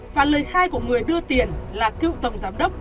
và lời khai của người đưa tiền là cựu tổng giám đốc